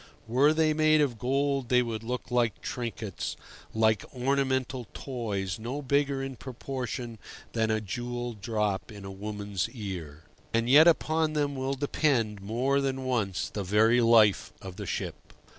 Were they made of gold they would look like trinkets, like ornamental toys, no bigger in proportion than a jewelled drop in a woman's ear. And yet upon them will depend, more than once, the very life of the ship.